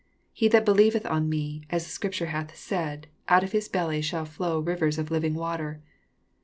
38 He that believeth on me, as the Bcripture hath said, oat of his belly shall flow rivers of living water.